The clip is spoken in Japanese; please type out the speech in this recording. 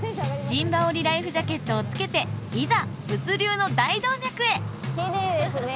陣羽織ライフジャケットをつけていざ物流の大動脈へきれいですね